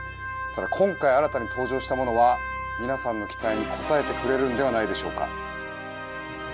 今回、新たに登場したものは皆さんの期待に応えてくれるんではないでしょうか。